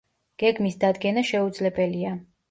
გეგმის დადგენა შეუძლებელია.